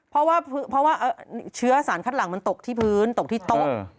เพราะว่าเชื้อสารคัดหลังมันตกที่พื้นตกที่โต๊ะ